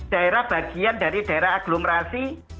daerah bagian dari daerah agglomerasi